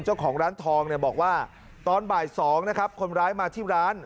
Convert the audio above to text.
เจ้าของร้านทองบอกว่าตอนบ่าย๒คนร้ายมาที่ร้าน